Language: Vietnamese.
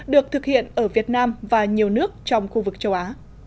được thực hiện ở việt nam và nhiều nước trong khu vực châu á